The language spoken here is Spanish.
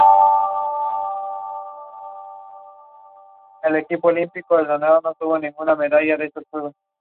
Realizó sus estudios primarios en la ciudad de Córdoba, en el Colegio Luterano Concordia.